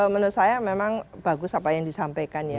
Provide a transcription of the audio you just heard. menurut saya memang bagus apa yang disampaikan ya